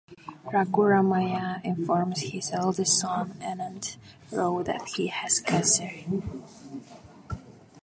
Raghu Ramayya informs his eldest son Anand Rao that he has cancer.